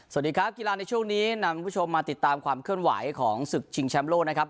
สวัสดีครับกีฬาในช่วงนี้นำคุณผู้ชมมาติดตามความเคลื่อนไหวของศึกชิงแชมป์โลกนะครับ